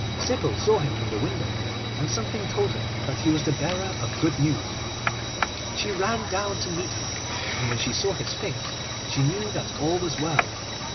Sybil saw him from the window, and something told her that he was the bearer of good news. She ran down to meet him, and, when she saw his face, she knew that all was well.